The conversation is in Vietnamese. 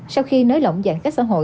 sau khi nới lỏng giãn cách xã hội